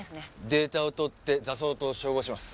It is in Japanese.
データをとって挫創と照合します。